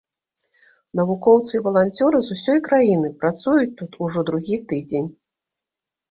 Навукоўцы і валанцёры з усёй краіны працуюць тут ужо другі тыдзень.